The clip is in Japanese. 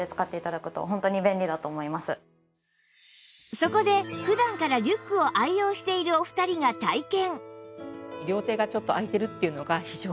そこで普段からリュックを愛用しているお二人が体験